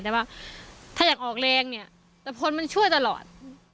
แต่ว่าถ้าอยากออกแรงเนี่ยแต่คนมันช่วยตลอด